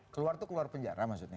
keluar itu keluar penjara maksudnya